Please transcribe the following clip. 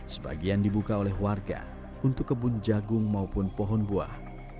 sebagian dibuka oleh warga untuk kebun jagung maupun pohon buah